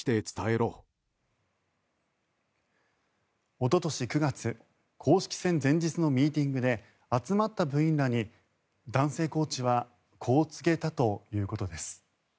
おととし９月公式戦前日のミーティングで集まった部員らに男性コーチはこう告げたということです。